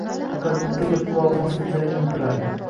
Faqat bitta gap qulog‘im ostida jaranglab turardi.